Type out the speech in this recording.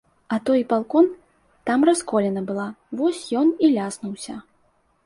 А той балкон, там расколіна была, вось ён і ляснуўся.